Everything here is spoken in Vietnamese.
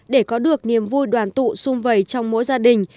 để có được niềm vui đoàn tụ xung vầy trong mỗi gia đình